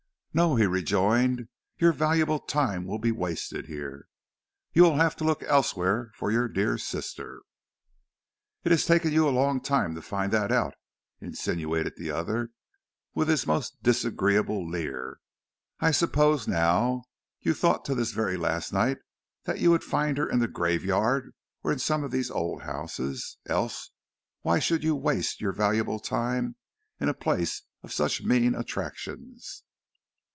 "No," he rejoined. "Your valuable time will be wasted here. You will have to look elsewhere for your dear sister." "It has taken you a long time to find that out," insinuated the other, with his most disagreeable leer. "I suppose, now, you thought till this very last night that you would find her in the graveyard or in some of these old houses. Else why should you waste your valuable time in a place of such mean attractions."